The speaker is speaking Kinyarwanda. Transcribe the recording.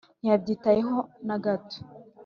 ntiyabyitayeho na gato